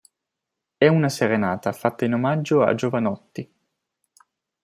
È una serenata fatta in omaggio a Jovanotti.